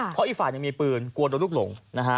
เพราะไอ้ฝ่ายยังมีปืนกลัวโดนลูกหลง